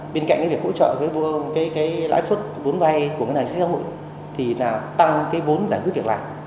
bên cạnh việc hỗ trợ với lãi suất vốn vay của ngân hàng xã hội tăng vốn giải quyết việc làm